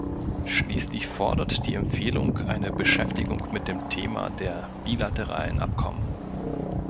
Schließlich fordert die Empfehlung eine Beschäftigung mit dem Thema der bilateralen Abkommen.